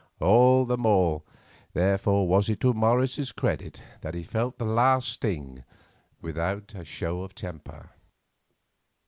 All the more, therefore, was it to Morris's credit that he felt the lash sting without a show of temper.